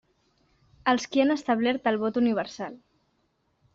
Els qui han establert el vot universal.